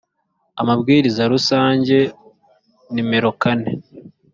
amabwiriza rusange nimero kane